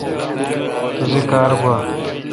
توسی کار گوا۔